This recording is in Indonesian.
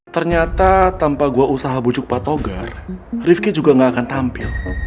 ternyata tanpa gua usaha bujuk pak togar rifqi juga nggak akan tampil